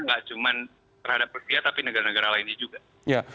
nggak cuma terhadap rusia tapi negara negara lainnya juga